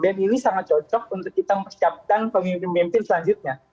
ini sangat cocok untuk kita mempersiapkan pemimpin pemimpin selanjutnya